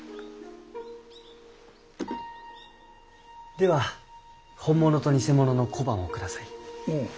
では本物と偽物の小判をください。